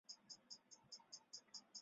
之后加入陆军志愿役士兵。